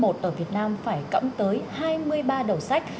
học sinh lớp một ở việt nam phải cắm tới hai mươi ba đầu sách